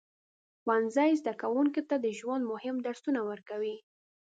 ښوونځی زده کوونکو ته د ژوند مهم درسونه ورکوي.